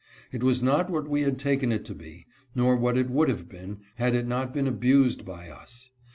It was not what we had taken it to be, nor what it would have been, had it not been abused by us.